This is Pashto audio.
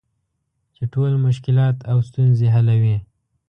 چې ټول مشکلات او ستونزې حلوي .